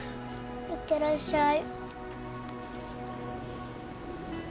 行ってらっしゃい。